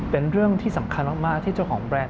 เป็นเรื่องที่สำคัญมากที่เจ้าของแบรนด์